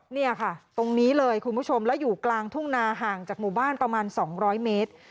เนี่ยค่ะตรงนี้เลยคุณผู้ชมแล้วอยู่กลางทุ่งนาห่างจากหมู่บ้านประมาณ๒๐๐เมตร